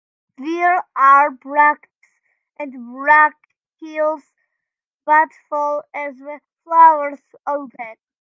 There are bracts and bracteoles that fall as the flowers open.